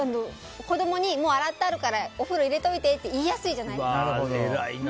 子供にもう洗ってあるからお風呂入れておいてって言いやすいじゃないですか。